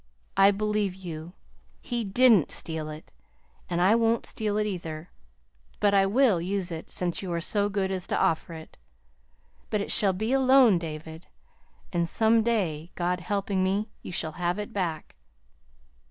I believe you. He didn't steal it, and I won't steal it, either. But I will use it, since you are so good as to offer it. But it shall be a loan, David, and some day, God helping me, you shall have it back.